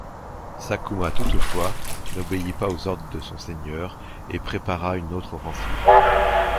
Sakuma, toutefois, n’obéit pas aux ordres de son seigneur, et prépara une autre offensive.